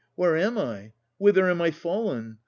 Where am I? Whither am I fallen?